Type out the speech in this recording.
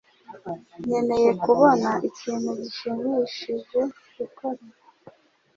Nkeneye kubona ikintu gishimishije gukora.